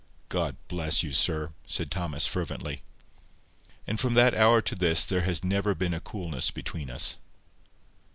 "God bless you, sir," said Thomas, fervently. And from that hour to this there has never been a coolness between us.